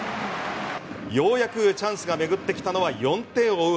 ようやくチャンスが巡ってきたのは４点を追う